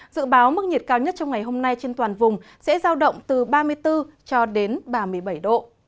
dự báo mức nhiệt cao nhất trong ngày hôm nay trên toàn vùng sẽ giao động từ ba mươi bốn cho đến ba mươi bảy độ